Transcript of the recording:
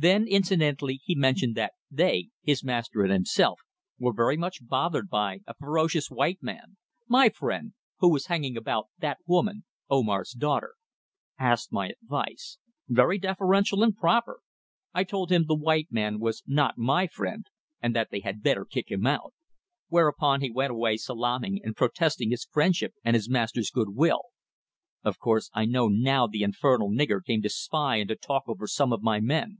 Then, incidentally, he mentioned that they his master and himself were very much bothered by a ferocious white man my friend who was hanging about that woman Omar's daughter. Asked my advice. Very deferential and proper. I told him the white man was not my friend, and that they had better kick him out. Whereupon he went away salaaming, and protesting his friendship and his master's goodwill. Of course I know now the infernal nigger came to spy and to talk over some of my men.